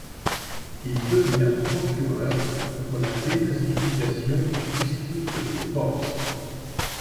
Il devient procureur pour la dénazification du district de Worms.